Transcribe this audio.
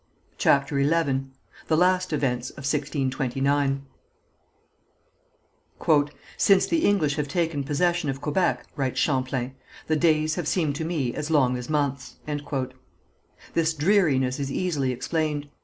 CHAPTER XI THE LAST EVENTS OF 1629 "Since the English have taken possession of Quebec," writes Champlain, "the days have seemed to me as long as months." This dreariness is easily explained.